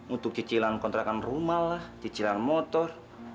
untuk cicilan kontrakan rumah lah cicilan motor